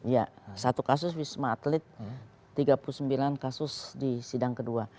ya satu kasus wisma atlet tiga puluh sembilan kasus di sidang kedua